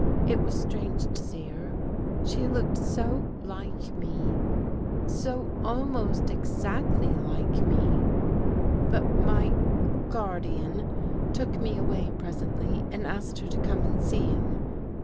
It was strange to see her. She looked so like me — so almost exactly like me. " But my — guardian took me away presently and asked her to come and see him.